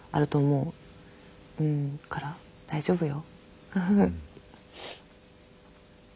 うんだから大丈夫よ。